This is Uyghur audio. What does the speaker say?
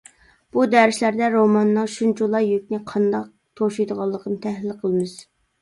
بۇ دەرسلەردە روماننىڭ شۇنچىۋالا يۈكنى قانداق توشۇيدىغانلىقىنى تەھلىل قىلىمىز.